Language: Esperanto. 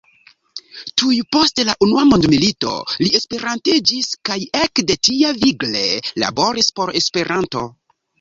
Tuj post la unua mondmilito li esperantiĝis, kaj ekde tiam vigle laboris por Esperanto.